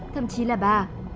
thậm chí là ba